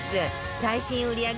最新売り上げ